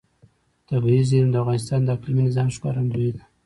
طبیعي زیرمې د افغانستان د اقلیمي نظام ښکارندوی ده.